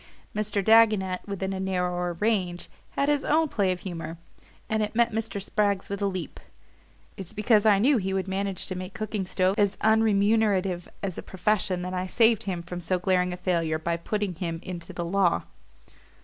Mr. Dagonet, within a narrower range, had his own play of humour; and it met Mr. Spragg's with a leap. "It's because I knew he would manage to make cooking stoves as unremunerative as a profession that I saved him from so glaring a failure by putting him into the law."